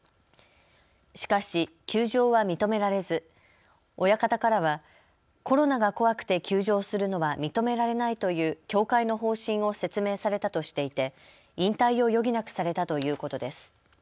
しかし休場は認められず親方からはコロナが怖くて休場するのは認められないという協会の方針を説明されたとしていて引退を余儀なくされたということです。